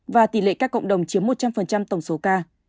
và tỷ lệ các cộng đồng chiếm một trăm linh tổng số ca